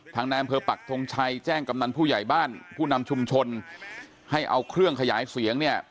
นายอำเภอปักทงชัยแจ้งกำนันผู้ใหญ่บ้านผู้นำชุมชนให้เอาเครื่องขยายเสียงเนี่ย